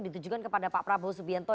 ditujukan kepada pak prabowo subianto